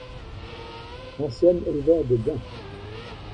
Ancien Éleveur de Daims.